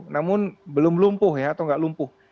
namun belum lumpuh ya atau nggak lumpuh